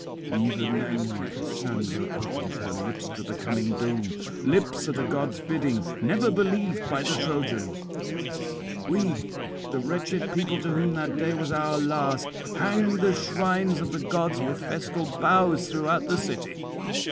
Even then Cassandra opens her lips to the coming doom, lips at a god's bidding never believed by the Trojans. We, the wretched people, to whom that day was our last, hang the shrines of the gods with festal boughs throughout the city.